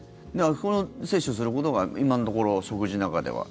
これを摂取することが今のところ、食事の中では。